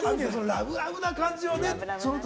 ラブラブな感じがね。